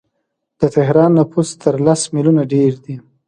د تهران نفوس تر لس میلیونه ډیر دی.